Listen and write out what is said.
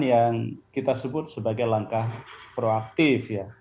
yang kita sebut sebagai langkah proaktif ya